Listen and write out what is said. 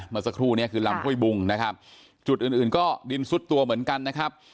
เมื่อสักครู่นี้คือลำห้วยบุงนะครับจุดอื่นอื่นก็ดินซุดตัวเหมือนกันนะครับ